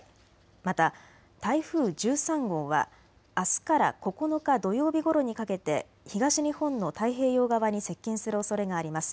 また台風１３号はあすから９日土曜日ごろにかけて東日本の太平洋側に接近するおそれがあります。